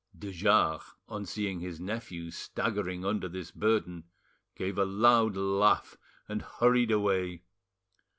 De Jars, on seeing his nephew staggering under this burden, gave a loud laugh, and hurried away.